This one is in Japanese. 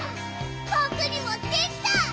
「ぼくにもできた！